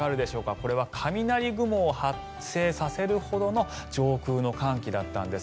これは雷雲を発生させるほどの上空の寒気だったんです。